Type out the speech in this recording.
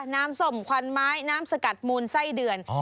ส้มควันไม้น้ำสกัดมูลไส้เดือน